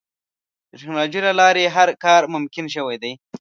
د ټکنالوجۍ له لارې هر کار ممکن شوی دی.